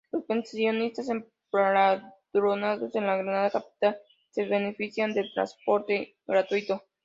Los pensionistas empadronados en Granada capital, se benefician de transporte gratuito.